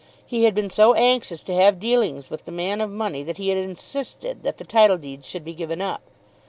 He had been so anxious to have dealings with the man of money that he had insisted that the title deeds should be given up.